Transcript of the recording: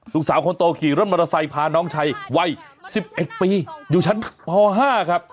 ลูกสาวคนโตขี่รถมอเตอร์ไซค์พาน้องชายวัย๑๑ปีอยู่ชั้นป๕ครับ